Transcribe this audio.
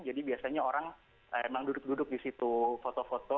jadi biasanya orang memang duduk duduk di situ foto foto